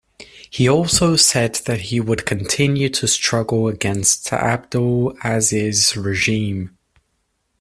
He also said that he would continue to struggle against Abdel Aziz's regime.